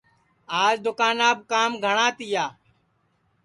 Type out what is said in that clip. آج دؔوکاناپ کام گھٹؔا تیا